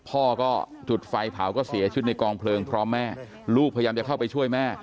พ่อก็จุดไฟเผาก็เสียชีวิตในกองเพลิงพร้อมแม่ลูกพยายามจะเข้าไปช่วยแม่